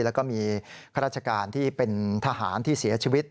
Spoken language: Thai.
แล้วก็มีข้าราชการที่เป็นทหารที่เสียชีวิต